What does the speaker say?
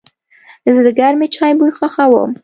زه د گرمې چای بوی خوښوم.